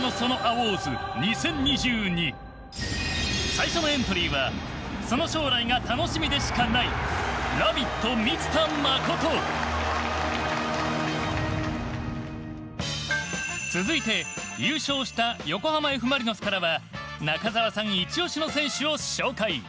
最初のエントリーはその将来が楽しみでしかないラビット満田誠。続いて優勝した横浜Ｆ・マリノスからは中澤さんイチオシの選手を紹介。